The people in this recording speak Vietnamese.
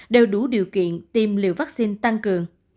đều đủ điều kiện tiêm liều vaccine tăng cường